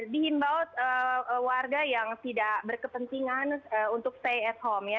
dihimbau warga yang tidak berkepentingan untuk stay at home ya